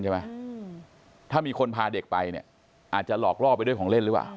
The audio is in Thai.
ใช่ไหมถ้ามีคนพาเด็กไปเนี่ยอาจจะหลอกรอไปด้วยของ